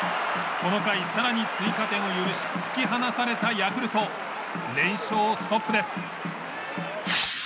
この回、さらに追加点を許し突き放されたヤクルト連勝ストップです。